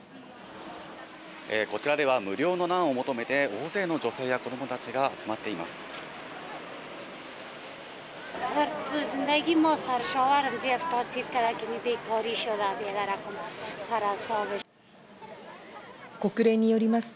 こちらでは無料のナンを求めて、大勢の女性や子供たちが集まっています。